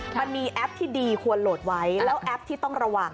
มันมีแอปที่ดีควรโหลดไว้แล้วแอปที่ต้องระวัง